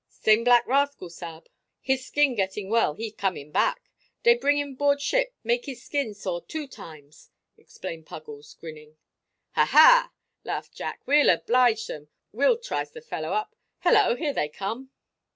"Same black rascal, sa'b. His skin getting well, he coming back. Dey bring him 'board ship, make his skin sore two times," explained Puggles, grinning. "Ha, ha!" laughed Jack. "We'll oblige 'em! We'll trice the fellow up! Hullo, here they come!"